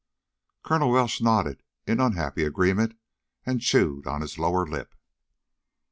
Colonel Welsh nodded in unhappy agreement and chewed on his lower lip.